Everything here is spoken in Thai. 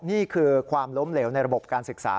นี่คือความล้มเหลวในระบบการศึกษา